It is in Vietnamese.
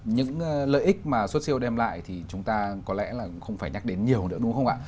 những lợi ích mà xuất siêu đem lại thì chúng ta có lẽ là không phải nhắc đến nhiều nữa đúng không ạ